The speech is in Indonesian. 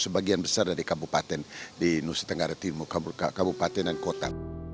sebagian besar dari kabupaten di nusa tenggara timur kabupaten dan kota